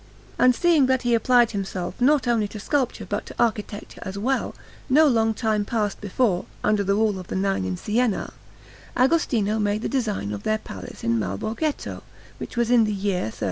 And seeing that he applied himself not only to sculpture but to architecture as well, no long time passed before, under the rule of the Nine in Siena, Agostino made the design of their Palace in Malborghetto, which was in the year 1308.